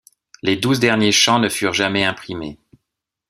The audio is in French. Les douze derniers chants ne furent jamais imprimés.